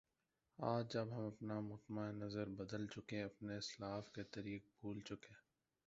آج جب ہم اپنا مطمع نظر بدل چکے اپنے اسلاف کے طریق بھول چکے